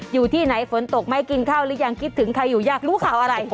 อยู่ที่ไหนฝนตกไหมกินข้าวหรือยังคิดถึงใครอยู่อยากรู้ข่าวอะไร